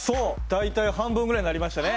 大体半分ぐらいになりましたね。